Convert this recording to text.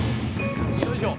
よいしょ。